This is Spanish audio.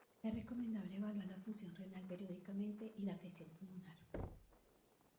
Es recomendable evaluar la función renal periódicamente y la afección pulmonar.